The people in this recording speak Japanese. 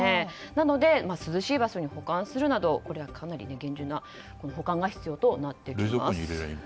なので涼しい場所に保管するなどこれはかなり厳重な保管が必要になります。